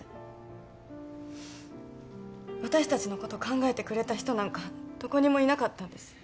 私たちのこと考えてくれた人なんかどこにもいなかったんです。